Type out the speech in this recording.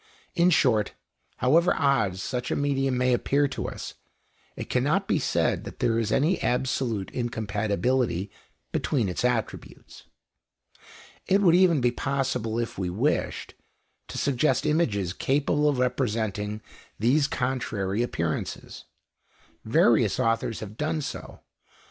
In short, however odd such a medium may appear to us, it cannot be said that there is any absolute incompatibility between its attributes. It would even be possible, if we wished, to suggest images capable of representing these contrary appearances. Various authors have done so.